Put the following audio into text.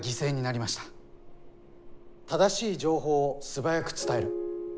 正しい情報を素早く伝える。